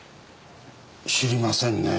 知りませんねぇ。